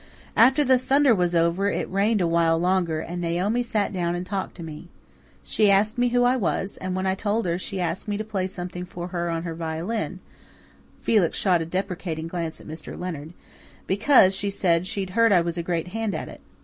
"After the thunder was over it rained a while longer, and Naomi sat down and talked to me. She asked me who I was, and when I told her she asked me to play something for her on her violin," Felix shot a deprecating glance at Mr. Leonard "because, she said, she'd heard I was a great hand at it.